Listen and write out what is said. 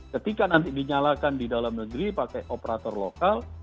ketika nanti dinyalakan di dalam negeri pakai operator lokal